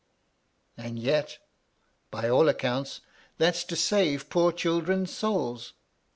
And yet, by all accounts, that's to save poor children's souls.